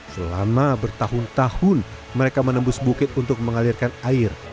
selama bertahun tahun mereka menembus bukit untuk mengalirkan air